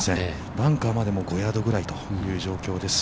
バンカーまでも５ヤードぐらいという状況です。